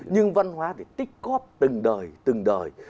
nhưng văn hóa thể tích cóp từng đời từng đời